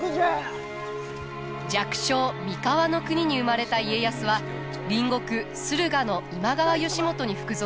弱小三河国に生まれた家康は隣国駿河の今川義元に服属。